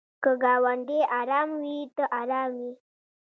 که ګاونډی ارام وي ته ارام یې.